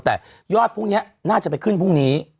แต่ยอดพรุ่งนี้น่าจะไปขึ้นพรุ่งนี้